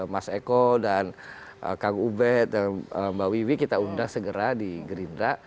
mas eko dan kang ubed dan mbak wiwi kita undang segera di gerindra